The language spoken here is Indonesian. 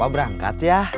papa berangkat ya